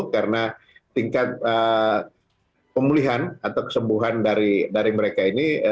karena tingkat pemulihan atau kesembuhan dari mereka ini